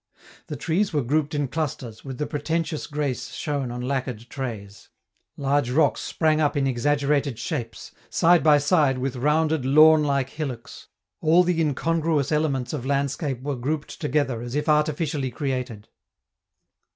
The trees were grouped in clusters, with the pretentious grace shown on lacquered trays. Large rocks sprang up in exaggerated shapes, side by side with rounded, lawn like hillocks; all the incongruous elements of landscape were grouped together as if artificially created.